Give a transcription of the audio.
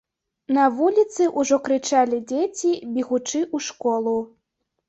На вуліцы ўжо крычалі дзеці, бегучы ў школу.